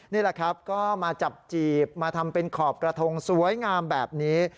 นี่แหละครับก็มาจับจีบมาทำเป็นขอบกระทงสวยงามแบบนี้